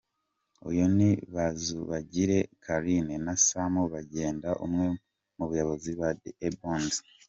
Uyu ni Bazubagira Carine na Sam Bagenda umwe mubayobozi ba "The Ebonies".